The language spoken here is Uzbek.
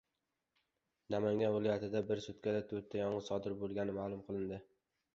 Namangan viloyatida bir sutkada to‘rtta yong‘in sodir bo‘lgani ma'lum qilindi